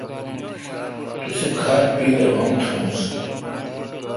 تسے کھال پیل اے°غم تھونس۔